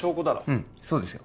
うんそうですよ